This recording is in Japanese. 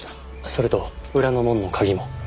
それと裏の門の鍵も。